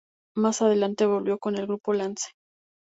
Más adelante, volvió con el grupo "Lance".